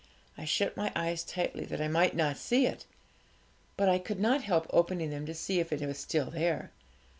I shut my eyes tightly, that I might not see it; but I could not help opening them to see if it was still there.